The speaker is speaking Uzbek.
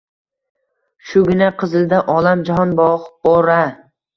— Shugina Qizilda olam-jahon bog‘ bor-a?